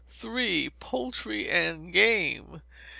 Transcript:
Poultry and Game.